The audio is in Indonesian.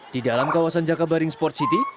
di dalam kawasan jakabaring sport city